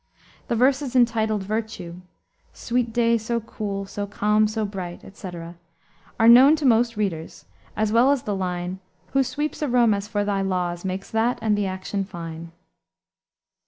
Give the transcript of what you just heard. The verses entitled Virtue "Sweet day so cool, so calm, so bright," etc. are known to most readers, as well as the line, "Who sweeps a room, as for thy laws, makes that and the action fine."